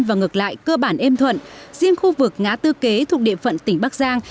và ngược lại cơ bản êm thuận riêng khu vực ngã tư kế thuộc địa phận tỉnh bắc giang